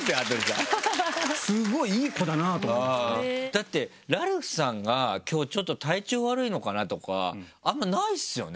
だってラルフさんが今日ちょっと体調悪いのかなとかあんまないですよね。